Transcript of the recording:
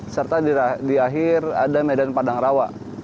serta di akhir ada medan padang rawa